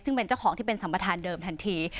ซึ่งเป็นเจ้าของที่เป็นสัมประธานเดิมทันที